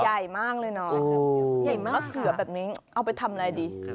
ใหญ่มากเลยน้อยมะเขือแบบนี้เอาไปทำอะไรดี